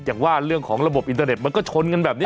อย่างว่าเรื่องของระบบอินเทอร์เน็ตมันก็ชนกันแบบนี้